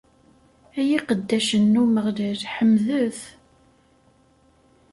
Ay iqeddacen n Umeɣlal, ḥemdet!